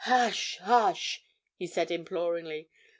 "Hush—hush!" he said imploringly.